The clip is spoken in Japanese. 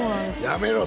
やめろ